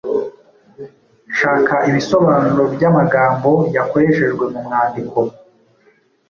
Shaka ibisobanuro by’amagambo yakoreshejwe mu mwandiko